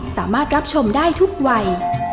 สามารถรับชมได้ทุกวัย